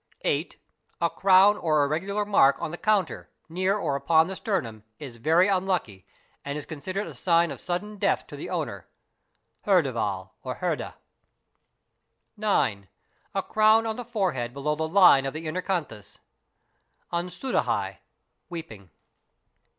8. A crown or irregular mark on the counter, near or upon the sternum, is very unlucky and is considered a sign of sudden death to the owner, (herdavel or herda). 9. A crown on the forehead below the line of the inner canthus, (ansoodhai=— weeping).